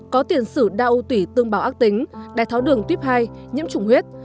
có tiền xử đa ưu tủy tương bào ác tính đại tháo đường tuyếp hai nhiễm chủng huyết